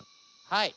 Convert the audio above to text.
はい。